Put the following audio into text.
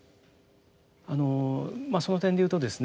あのその点で言うとですね